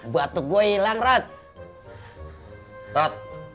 batu gua hilang rat